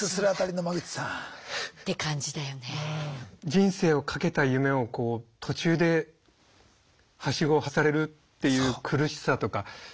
人生を懸けた夢をこう途中ではしごを外されるっていう苦しさとか。